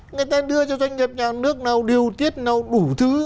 người ta đưa cho doanh nghiệp nhà nước nào điều tiết nào đủ thứ